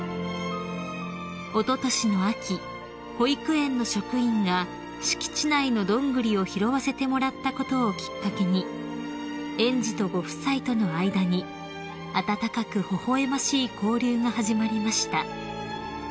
［おととしの秋保育園の職員が敷地内のドングリを拾わせてもらったことをきっかけに園児とご夫妻との間に温かくほほ笑ましい交流が始まりました］